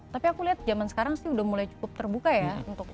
tapi aku lihat zaman sekarang sih udah mulai cukup terbuka ya